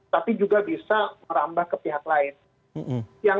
tapi juga bisa merambah ke pihak lain